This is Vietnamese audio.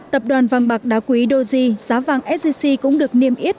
tập đoàn vàng bạc đá quý doji giá vàng sgc cũng được niêm yết